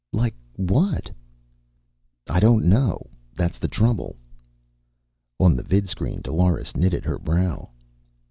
"Like what?" "I don't know. That's the trouble." On the vidscreen Dolores knitted her brow.